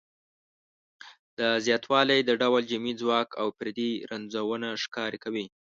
دا زیاتوالی د ډول جمعي ځواک او فردي رنځونه ښکاره کوي.